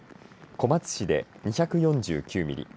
小松市で２４９ミリ